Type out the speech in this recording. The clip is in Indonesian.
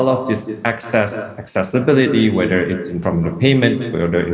bahwa semua keselamatan ini apakah dari uang apakah dari